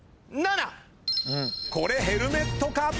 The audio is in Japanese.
これヘルメットか！？